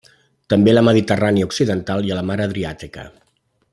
També a la Mediterrània occidental i a la Mar Adriàtica.